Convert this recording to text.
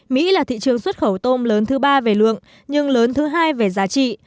mỹ là thị trường xuất khẩu tôm lớn thứ ba về lượng nhưng lớn thứ hai về giá trị